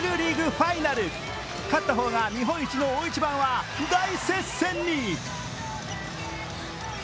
ファイナル勝った方が日本一の大一番は大接戦に。